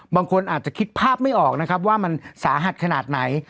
บางคนอาจจะคิดภาพไม่ออกนะครับว่ามันสาหัสขนาดไหน